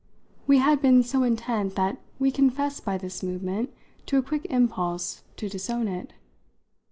We had been so intent that we confessed by this movement to a quick impulse to disown it.